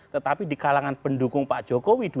tetapi di kalangan pendukung pak jokowi dua ribu sembilan belas